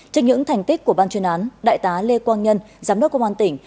trước những thành tích của ban chuyên án đại tá lê quang nhân giám đốc công an tỉnh